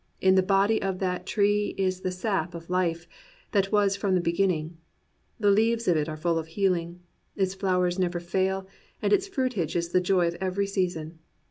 In the body of that tree is the sap of life that was from the beginning; the leaves of it are full of healing; its flowers never fail, and its fruitage is the joy of every season.